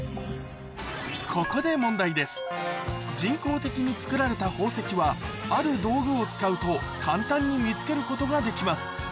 ここで人工的に作られた宝石はある道具を使うと簡単に見つけることができます